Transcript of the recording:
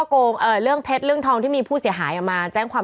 ข่าวช่อกงเรื่องเพชรเรื่องทองที่มีผู้เสียหายออกมา